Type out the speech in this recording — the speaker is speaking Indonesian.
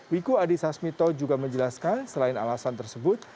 wiku adi sasmito juga menjelaskan selain alasan tersebut